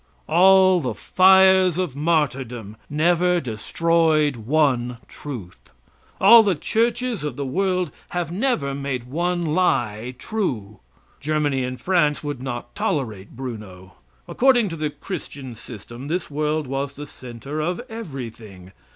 All the fires of martyrdom never destroyed one truth; all the churches of the world have never made one lie true. Germany and France would not tolerate Bruno. According to the Christian system, this world was the center of everything.